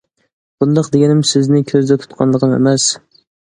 بۇنداق دېگىنىم سىزنى كۆزدە تۇتقانلىقىم ئەمەس.